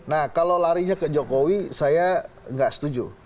nah kalau larinya ke jokowi saya nggak setuju